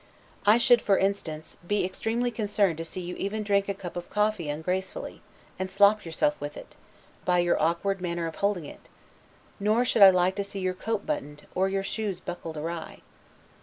I should, for instance, be extremely concerned to see you even drink a cup of coffee ungracefully, and slop yourself with it, by your awkward manner of holding it; nor should I like to see your coat buttoned, or your shoes buckled awry.